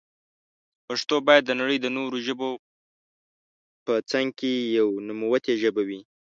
پښتو بايد دنړی د نورو ژبو په څنګ کي يوه نوموتي ژبي وي.